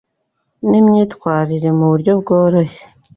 n’imyitwerire mu buryo bworoshye